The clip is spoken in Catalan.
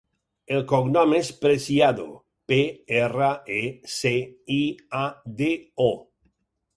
El cognom és Preciado: pe, erra, e, ce, i, a, de, o.